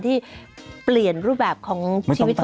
ที่เปลี่ยนรูปแบบของมีช